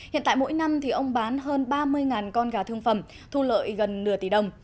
hiện tại mỗi năm ông bán hơn ba mươi con gà thương phẩm thu lợi gần nửa tỷ đồng